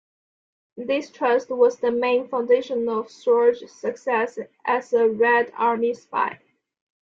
This trust was the main foundation for Sorge's success as a Red Army spy.